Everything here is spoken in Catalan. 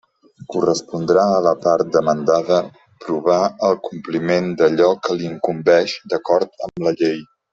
Correspondrà a la part demandada provar el compliment d'allò que li incumbeix d'acord amb la llei.